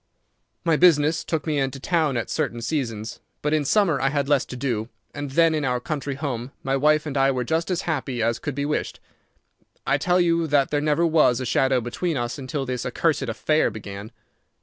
My business took me into town at certain seasons, but in summer I had less to do, and then in our country home my wife and I were just as happy as could be wished. I tell you that there never was a shadow between us until this accursed affair began.